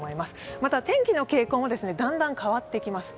また天気の傾向もだんだん変わってきます。